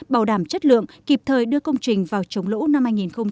bảo đảm chất lượng kịp thời đưa công trình vào chống lũ năm hai nghìn hai mươi